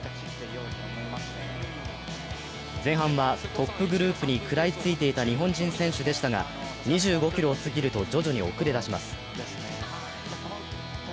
前半はトップグループに食らいついていた日本人選手でしたが２５ｋｍを過ぎると徐々に遅れ出します。